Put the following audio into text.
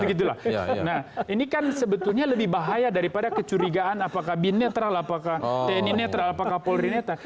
ini kan sebetulnya lebih bahaya daripada kecurigaan apakah bin netral tni netral polri netral